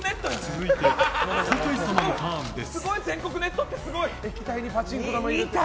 続いて、酒井様のターンです。